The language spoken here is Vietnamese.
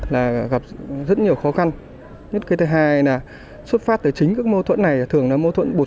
là gặp rất nhiều khó khăn nhất cái thứ hai là xuất phát từ chính các mâu thuẫn này thường là mâu thuẫn bột